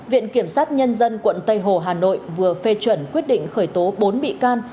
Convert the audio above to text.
viện kiểm sát nhân dân quận tây hồ hà nội vừa phê chuẩn quyết định khởi tố bốn bị can